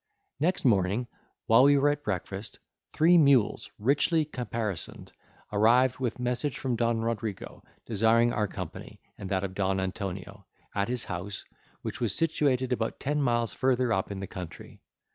Next morning, while we were at breakfast, three mules, richly caparisoned, arrived with a message from Don Rodrigo, desiring our company, and that of Don Antonio, at his house, which was situated about ten miles further up in the country.